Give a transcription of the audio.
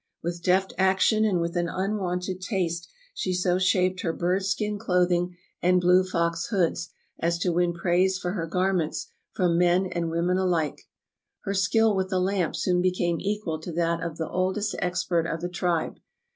With deft action and with an unwonted taste she so shaped her bird skin clothing and blue fox hoods as to win praise for her garments from men and women ahke. Her skill with the lamp soon became equal to that of the oldest expert of the tribe.